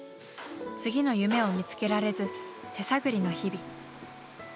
次の夢を見つけられず手探りの日々。